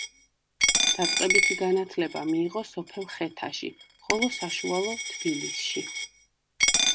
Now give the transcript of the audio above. დაწყებითი განათლება მიიღო სოფელ ხეთაში, ხოლო საშუალო თბილისში.